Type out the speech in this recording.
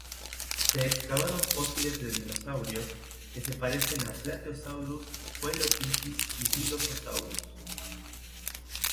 Se excavaron fósiles de dinosaurios que se parecen a plateosaurus, coelophysis y dilophosaurus.